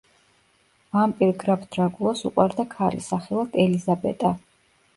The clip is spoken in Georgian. ვამპირ გრაფ დრაკულას უყვარდა ქალი, სახელად ელიზაბეტა.